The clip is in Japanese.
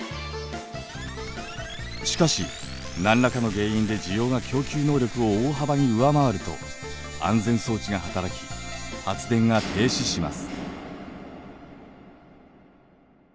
しかし何らかの原因で需要が供給能力を大幅に上回ると安全装置が働き発電が停止します。